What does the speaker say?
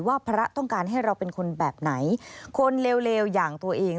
พระต้องการให้เราเป็นคนแบบไหนคนเลวอย่างตัวเอง